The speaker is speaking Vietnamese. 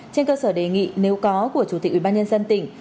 trên cơ sở đề nghị nếu có của chủ tịch ubnd tỉnh